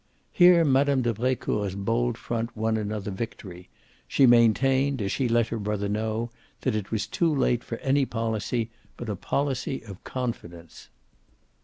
Here Mme. de Brecourt's bold front won another victory; she maintained, as she let her brother know, that it was too late for any policy but a policy of confidence.